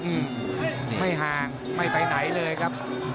นี่ไม่ห่างไม่ไปไหนเลยครับ